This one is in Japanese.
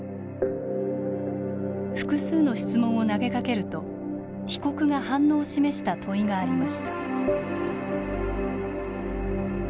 複数の質問を投げかけると被告が反応を示した問いがありました。